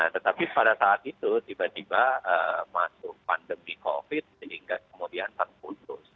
tetapi pada saat itu tiba tiba masuk pandemi covid sehingga kemudian terputus